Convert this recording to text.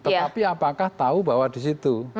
tetapi apakah tahu bahwa di situ